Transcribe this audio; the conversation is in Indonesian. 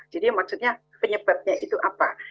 jadi maksudnya penyebabnya itu apa